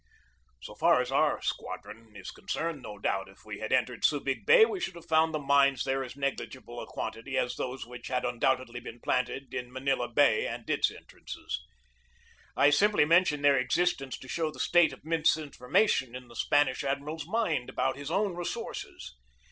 So far as our squadron is concerned, no doubt if we had entered Subig Bay we should have found the mines there as negligible a quantity as those which had undoubtedly been planted in Manila Bay and its entrance. 1 I simply mention their existence to show the state of misinformation in the Spanish admiral's mind about his own resources.